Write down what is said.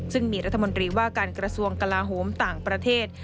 ซึ่งมีรัฐมนตรีว่าการกระทรวงกลาโหมต่างประเทศ